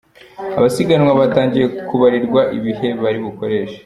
Abasiganwa batangiye kubarirwa ibihe bari bukoreshe.